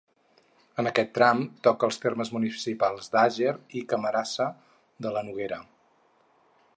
En aquest tram toca els termes municipals d'Àger i Camarasa, de la Noguera.